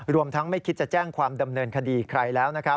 รวมทั้งไม่คิดจะแจ้งความดำเนินคดีใครแล้ว